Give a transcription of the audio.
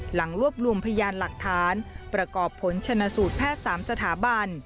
หลังรวบรวมพยานหลักฐานประกอบผลชนสูตรแพทย์๓สถาบัน